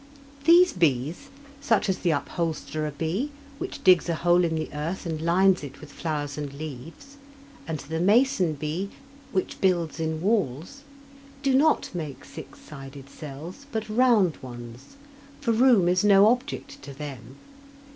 These bees such as the upholsterer bee, which digs a hole in the earth and lines it with flowers and leaves, and the mason bee, which builds in walls do not make six sided cells, but round ones, for room is no object to them.